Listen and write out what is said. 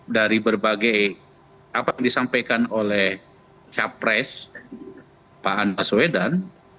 dari berbagai apa yang disampaikan oleh capres pak anies wedan